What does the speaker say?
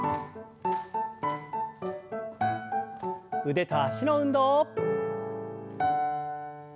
腕と脚の運動。